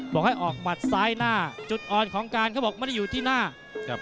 บอกให้ออกหมัดซ้ายหน้าจุดอ่อนของการเขาบอกไม่ได้อยู่ที่หน้าครับ